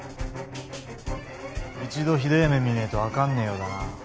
一度ひでえ目みねえと分かんねえようだな。